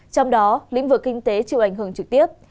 trong đó lĩnh vực kinh tế chịu ảnh hưởng trực tiếp